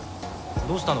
どうしたの？